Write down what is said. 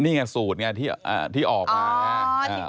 นี่ไงสูตรไงที่ออกมาไง